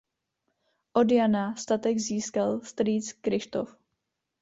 Od Jana statek získal strýc Kryštof.